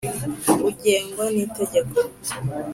Ugengwa n itegeko